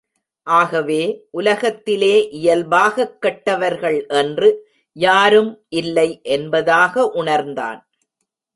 ஆகவே, உலகத்திலே இயல்பாகக் கெட்டவர்கள் என்று யாரும் இல்லை என்பதாக உணர்ந்தான்.